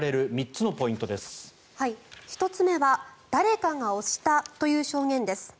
１つ目は誰かが押したという証言です。